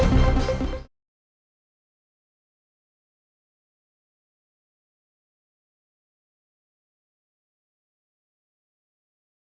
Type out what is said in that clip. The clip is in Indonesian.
sampai jumpa di video selanjutnya